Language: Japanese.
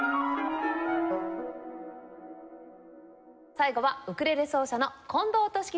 最後はウクレレ奏者の近藤利樹さんです。